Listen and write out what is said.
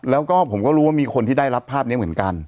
แล้วก็ผมก็รู้ว่ามีคนที่ได้รับภาพนี้เหมือนกัน